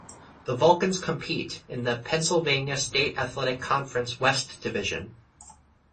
The Vulcans compete in the Pennsylvania State Athletic Conference west division.